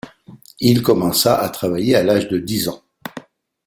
Il commença à travailler à l'âge de dix ans.